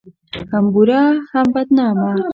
هم بوره ، هم بدنامه